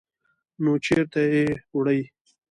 _نو چېرته يې وړې؟